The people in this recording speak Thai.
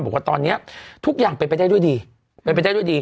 บอกว่าตอนนี้ทุกอย่างเป็นไปได้ด้วยดี